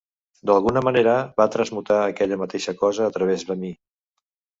D'alguna manera va transmutar aquella mateixa cosa a través de mi.